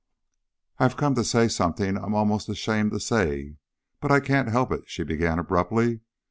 "I've come to say something I'm almost ashamed to say, but I can't help it," she began abruptly.